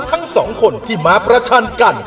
ทั้งสองคนที่มาประชันกัน